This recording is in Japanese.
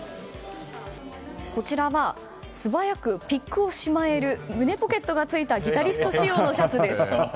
こちらは素早くピックをしまえる胸ポケットがついたギタリスト仕様のシャツです。